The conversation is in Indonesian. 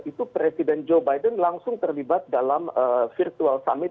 itu presiden joe biden langsung terlibat dalam virtual summit